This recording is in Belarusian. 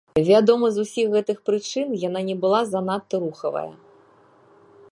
Вядома, з усіх гэтых прычын яна не была занадта рухавая.